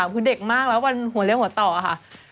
คือเด็กมากแล้ววันหัวเลี้ยหัวต่อค่ะ